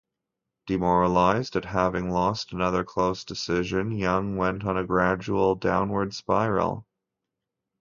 Demoralised at having lost another close decision, Young went on a gradual downward spiral.